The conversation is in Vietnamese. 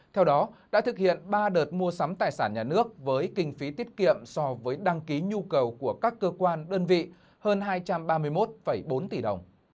theo đó đã thực hiện ba đợt mua sắm tài sản nhà nước với kinh phí tiết kiệm so với đăng ký nhu cầu của các cơ quan đơn vị hơn hai trăm ba mươi một bốn tỷ đồng